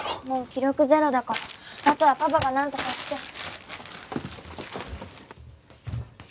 もう気力ゼロだからあとはパパがなんとかして。